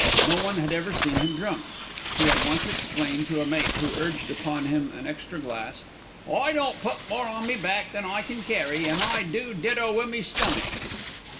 No one had ever seen him drunk. He had once explained to a mate who urged upon him an extra glass, "I don't put more on me back than I can carry, an' I do ditto wi' me stomach."